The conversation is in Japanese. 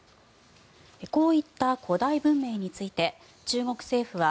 こういった古代文明について中国政府は